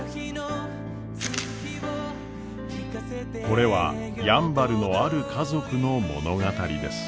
これはやんばるのある家族の物語です。